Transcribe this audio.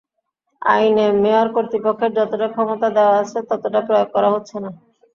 আইনে মেয়র কর্তৃপক্ষের যতটা ক্ষমতা দেওয়া আছে, ততটা প্রয়োগ করা হচ্ছে না।